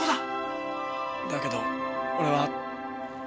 だけど俺は。